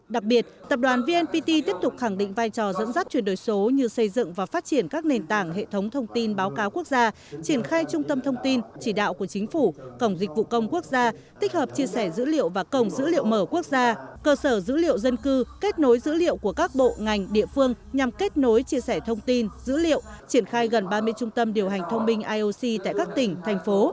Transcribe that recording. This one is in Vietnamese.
đặc biệt tập đoàn vnpt tiếp tục khẳng định vai trò dẫn dắt chuyển đổi số như xây dựng và phát triển các nền tảng hệ thống thông tin báo cáo quốc gia triển khai trung tâm thông tin chỉ đạo của chính phủ cổng dịch vụ công quốc gia tích hợp chia sẻ dữ liệu và cổng dữ liệu mở quốc gia cơ sở dữ liệu dân cư kết nối dữ liệu của các bộ ngành địa phương nhằm kết nối chia sẻ thông tin dữ liệu triển khai gần ba mươi trung tâm điều hành thông minh ioc tại các tỉnh thành phố